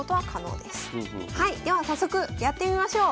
はいでは早速やってみましょう。